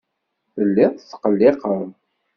Telliḍ tetqelliqeḍ.